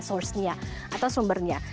sourcenya atau sumbernya